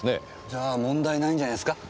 じゃあ問題ないんじゃないすか？